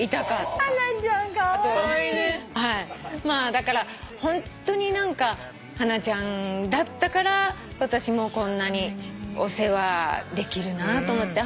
だからホントに何かハナちゃんだったから私もこんなにお世話できるなあと思って。